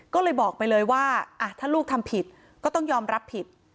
ก็เลยบอกไปเลยว่าถ้าลูกทำผิดก็ต้องยอมรับผิด